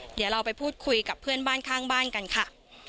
เดี๋ยวเราไปพูดคุยกับเพื่อนบ้านข้างบ้านกันค่ะ